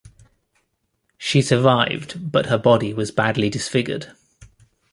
She survived but her body was badly disfigured.